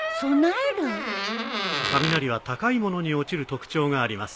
雷は高いものに落ちる特徴があります。